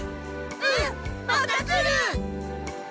うん！また来る！